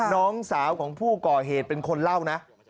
น้องสาวของผู้ก่อเหตุเป็นคนเล่านะ